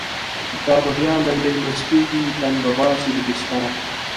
دا به بیا لنډۍ مستیږی، تن به باسی له بستره